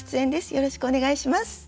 よろしくお願いします。